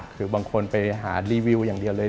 คือบางคนไปหารีวิวอย่างเดียวเลย